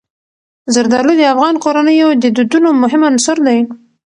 زردالو د افغان کورنیو د دودونو مهم عنصر دی.